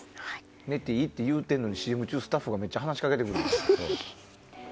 寝ていいって言ってるのにスタッフがＣＭ中めっちゃ話しかけてくるんですよ。